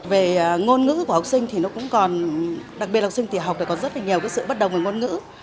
về ngôn ngữ của học sinh thì nó cũng còn đặc biệt học sinh thì học thì có rất là nhiều cái sự bất đồng về ngôn ngữ